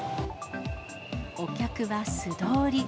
お客は素通り。